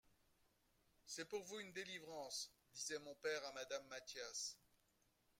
C'est pour vous une delivrance, disait mon pere a Madame Mathias.